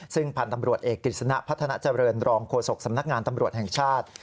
ซึ่งพันธ์ตำรวจเอกกฤษณะพัฒนาเจริญรองโฆษกสำนักงานตำรวจแห่งชาติ